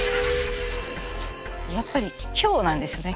やっぱり今日なんですよね。